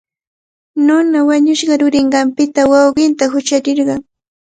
Nuna wañushqa yurinqanpita wawqiita huchachirqan.